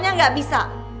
pokoknya gak bisa